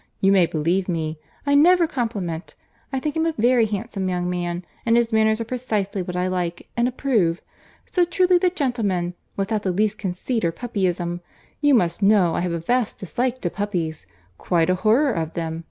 —You may believe me. I never compliment. I think him a very handsome young man, and his manners are precisely what I like and approve—so truly the gentleman, without the least conceit or puppyism. You must know I have a vast dislike to puppies—quite a horror of them.